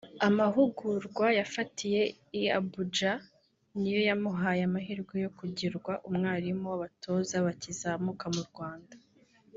Amahugurwa yafatiye i Abidjan ni yo yamuhaye amahirwe yo kugirwa umalimu w'abatoza bakizamuka mu Rwanda